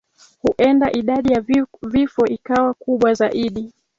huenda idadi ya vifo ikawa kubwa zaidi